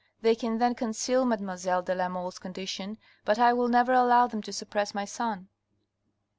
They can then conceal mademoiselle de la Mole's condition, but I will never allow them to suppress my son."